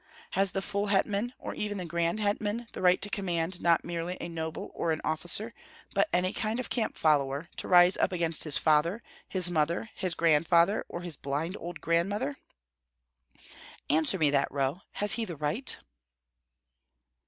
Has the full hetman or even the grand hetman the right to command not merely a noble or an officer, but any kind of camp follower, to rise up against his father, his mother, his grandfather, or his blind old grandmother? Answer me that, Roh. Has he the right?"